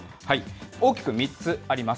大きく３つあります。